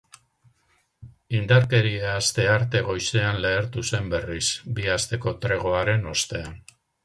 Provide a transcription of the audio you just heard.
Indarkeria astearte goizean lehertu zen berriz, bi asteko tregoaren ostean.